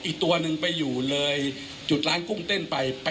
อีกตัวหนึ่งไปอยู่เลยจุดร้านกุ้งเต้นไป